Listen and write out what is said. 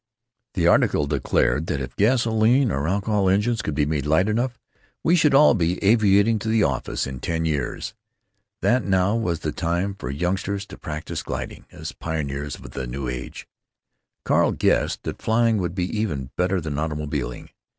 The article declared that if gasoline or alcohol engines could be made light enough we should all be aviating to the office in ten years; that now was the time for youngsters to practise gliding, as pioneers of the new age. Carl "guessed" that flying would be even better than automobiling.